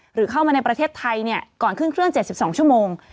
หรือเข้ามาในประเทศไทยก่อนขึ้นเครื่อง๗๒ชั่วโมง